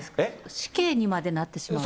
死刑にまでになってしまうんです